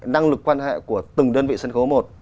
năng lực quan hệ của từng đơn vị sân khấu một